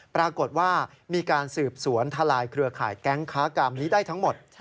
ปรากฏว่ามีการสืบสวนทลายเครือข่ายแก๊งค้ากรรมนี้ได้ทั้งหมด